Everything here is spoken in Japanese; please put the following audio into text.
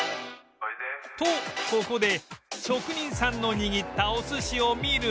とここで職人さんの握ったお寿司を見ると